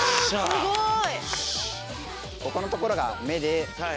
すごい。